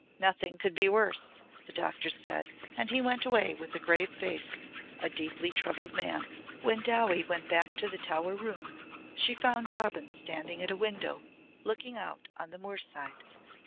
"Nothing could be worse," the doctor said and he went away with a grave face, a deeply troubled man. When Dowie went back to the Tower room she found Robin standing at a window looking out on the moorside.